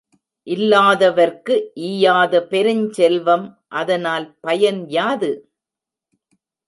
இல்லாதவர்க்கு ஈயாத பெருஞ்செல்வம் அதனால் பயன் யாது?